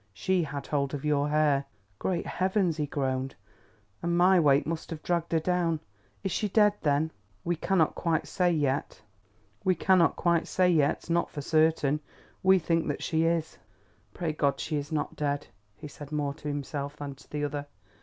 She had hold of your hair." "Great heavens!" he groaned, "and my weight must have dragged her down. Is she dead, then?" "We cannot quite say yet, not for certain. We think that she is." "Pray God she is not dead," he said more to himself than to the other.